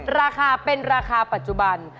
ราคาเป็นราคาปัจจุบัน